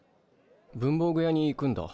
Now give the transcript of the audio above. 文房具屋に行くんだ。